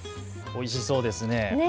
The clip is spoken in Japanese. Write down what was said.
おいしそうですね。